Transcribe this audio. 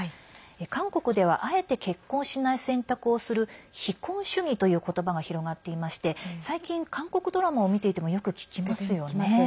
韓国ではあえて結婚しない選択をする非婚主義という言葉が広がっていまして最近、韓国ドラマを見ていてもよく聞きますよね。